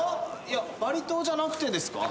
いやバリ島じゃなくてですか？